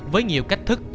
với nhiều cách thức